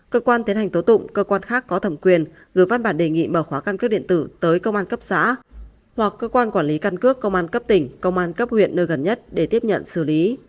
cơ quan tiến hành tố tụng cơ quan khác có thẩm quyền gửi văn bản đề nghị mở khóa căn cước điện tử tới công an cấp xã hoặc cơ quan quản lý căn cước công an cấp tỉnh công an cấp huyện nơi gần nhất để tiếp nhận xử lý